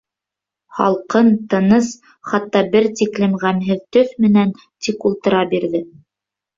Һалҡын, тыныс, хатта бер тиклем ғәмһеҙ төҫ менән тик ултыра бирҙе.